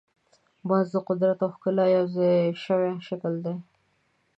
باز د قدرت او ښکلا یو ځای شوی شکل دی